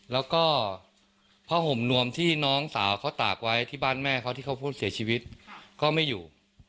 แล้วก็ผ้าห่มนวมที่น้องสาวเขาตากไว้ที่บ้านแม่เขาที่เขาพูดเสียชีวิตก็ไม่อยู่